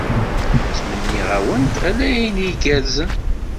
Ttmenniɣ-awent ala ayen igerrzen.